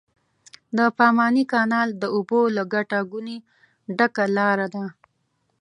د پاماني کانال د اوبو له ګټه ګونې ډکه لاره ده.